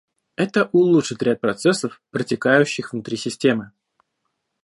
Это улучшит ряд процессов, протекающих внутри системы